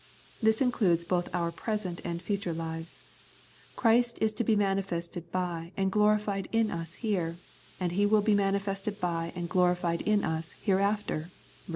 This includes both our present and future lives. Christ is to be manifested by and glorified in us here, and He will be manifested by and glorified in us hereafter (ver.